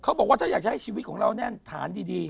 เขาบอกว่าถ้าอยากจะให้ชีวิตของเราแน่นฐานดี